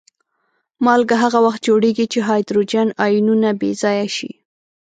مالګه هغه وخت جوړیږي چې هایدروجن آیونونه بې ځایه شي.